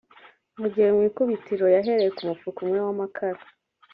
mu gihe mu ikubitiro yahereye ku mufuka umwe w’amakara